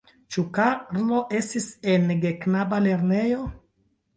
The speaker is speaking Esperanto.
Ĉu Karlo estis en geknaba lernejo?